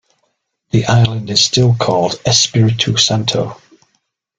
The island is still called Espiritu Santo.